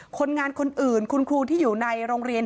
คนงานคนอื่นคุณครูที่อยู่ในโรงเรียน